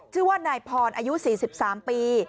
ชื่อว่านายพรอายุ๔๓ปี